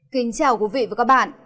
kính chào quý vị và các bạn